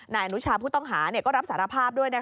นายอนุชาผู้ต้องหาก็รับสารภาพด้วย